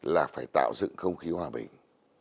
là phải tạo dựng không khí hòa bình